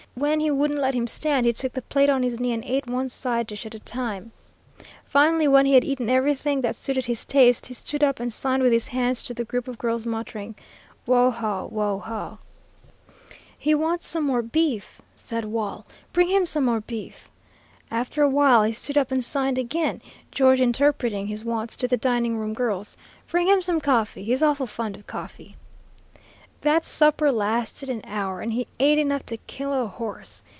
When he wouldn't let him stand, he took the plate on his knee, and ate one side dish at a time. Finally, when he had eaten everything that suited his taste, he stood up and signed with his hands to the group of girls, muttering, 'Wo haw, wo haw.' "'He wants some more beef,' said Wall. 'Bring him some more beef.' After a while he stood up and signed again, George interpreting his wants to the dining room girls: 'Bring him some coffee. He's awful fond of coffee.' "That supper lasted an hour, and he ate enough to kill a horse.